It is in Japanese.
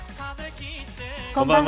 こんばんは。